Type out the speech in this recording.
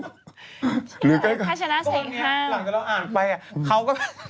ชื่ออะไรพัชนะใส่ข้าวพวกนี้หลังจากเราอ่านไปเขาก็